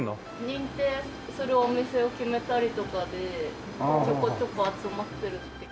認定するお店を決めたりとかでちょこちょこ集まってるって感じ。